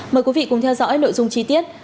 mời quý vị cùng theo dõi nội dung chi tiết